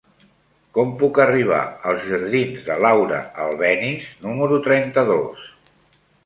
Com puc arribar als jardins de Laura Albéniz número trenta-dos?